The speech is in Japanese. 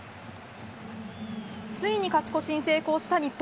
ついに勝ち越しに成功した日本。